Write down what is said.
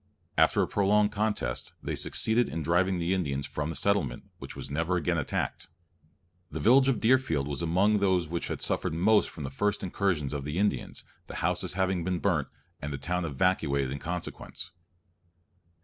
After a prolonged contest, they succeeded in driving the Indians from the settlement, which was never again attacked. The village of Deerfield was among those which had suffered most from the first incursions of the Indians, the houses having been burnt, and the town evacuated in consequence.